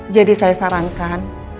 jadi saya sarankan